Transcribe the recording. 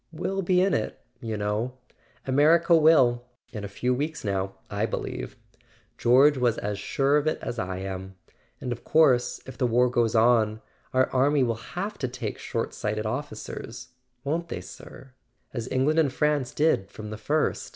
"We'll be in it, you know; America will—in a few weeks now, I believe ! George was as sure of it as I am. And, of course, if the war goes on, our army will have to take short sighted officers; won't they, sir? [ 396 ] A SON AT THE FRONT As England and France did from the first.